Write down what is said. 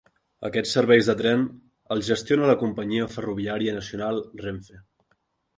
Aquests serveis de tren els gestiona la companyia ferroviària nacional Renfe.